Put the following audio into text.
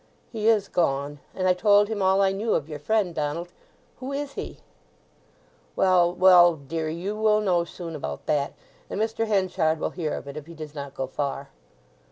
"He is gone; and I told him all I knew of your friend. Donald, who is he?" "Well, well, dearie; you will know soon about that. And Mr. Henchard will hear of it if he does not go far."